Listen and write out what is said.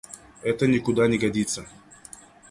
Это никуда не годится.